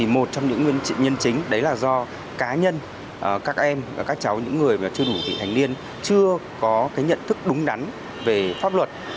một trong những nguyên nhân chính đấy là do cá nhân các em các cháu những người chưa đủ vị thành niên chưa có nhận thức đúng đắn về pháp luật